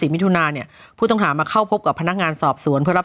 มิถุนาเนี่ยผู้ต้องหามาเข้าพบกับพนักงานสอบสวนเพื่อรับ